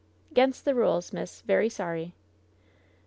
" 'Gainst the rules, miss. Very sorry."